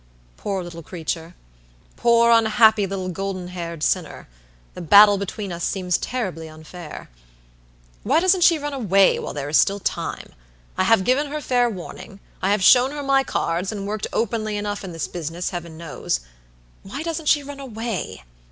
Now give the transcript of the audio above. Poor little creature; poor unhappy little golden haired sinner; the battle between us seems terribly unfair. Why doesn't she run away while there is still time? I have given her fair warning, I have shown her my cards, and worked openly enough in this business, Heaven knows. Why doesn't she run away?"